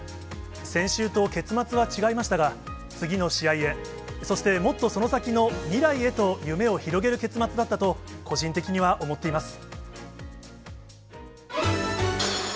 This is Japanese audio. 先週と結末は違いましたが、次の試合へ、そして、もっとその先の未来へと夢を広げる結末だったと個人的には思っています。